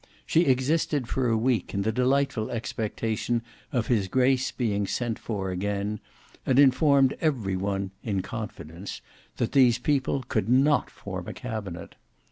She existed for a week in the delightful expectation of his grace being sent for again, and informed every one in confidence, that "these people could not form a cabinet."